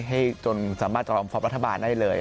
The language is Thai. ให้จนสามารถตรองฟอบรัฐบาลได้เลย